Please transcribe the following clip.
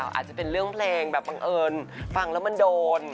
อาจจะเป็นเรื่องเพลงแบบบังเอิญฟังแล้วมันโดน